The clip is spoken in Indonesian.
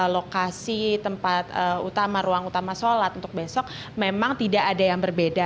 lokasi tempat utama ruang utama sholat untuk besok memang tidak ada yang berbeda